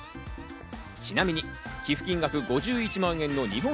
ちなみに寄付金額５１万円のニホン